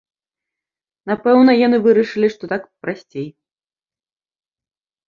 Напэўна, яны вырашылі, што так прасцей.